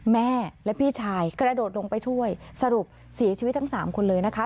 แม่และพี่ชายกระโดดลงไปช่วยสรุปเสียชีวิตทั้งสามคนเลยนะคะ